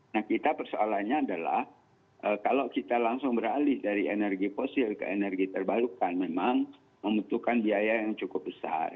nah kita persoalannya adalah kalau kita langsung beralih dari energi fosil ke energi terbarukan memang membutuhkan biaya yang cukup besar